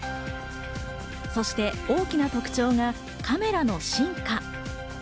そして大きな特徴がカメラの進化。